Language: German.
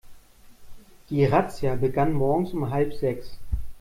Die Razzia begann morgens um halb sechs.